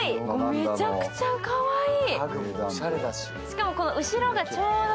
めちゃくちゃかわいい！